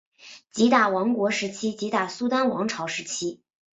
吉打王国时期吉打苏丹王朝时期